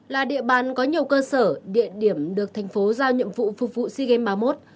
là địa bàn có nhiều cơ sở địa điểm được thành phố giao nhiệm vụ phục vụ sea games ba mươi một